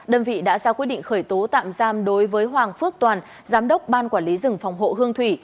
đơn vị đã ra quyết định khởi tố tạm giam đối với hoàng phước toàn giám đốc ban quản lý rừng phòng hộ hương thủy